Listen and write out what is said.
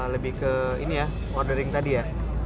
lebih ke ini ya ordering tadi ya